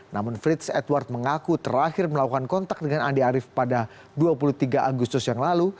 namun fritz edward mengaku terakhir melakukan kontak dengan andi arief pada dua puluh tiga agustus yang lalu